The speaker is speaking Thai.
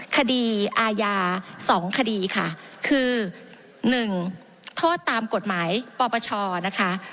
คดีอาญาสองคดีค่ะคือหนึ่งโทษตามกฎหมายปรปชรนะคะ